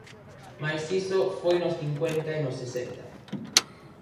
Mais iso foi nos cincuenta e nos sesenta.